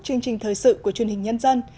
chương trình thời sự của truyền hình nhân dân